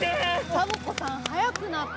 サボ子さんはやくなった。